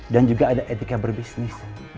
dan juga ada etika berbisnis